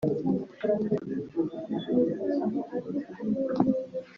For more information about Educat